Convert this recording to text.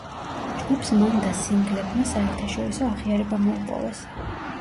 ჯგუფს მან და სინგლებმა საერთაშორისო აღიარება მოუპოვეს.